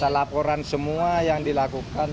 laporan semua yang dilakukan